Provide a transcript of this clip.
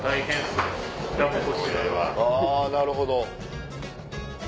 あぁなるほど。